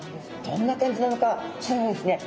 どんな感じなのかそれではですね